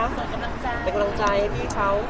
กำลังใจ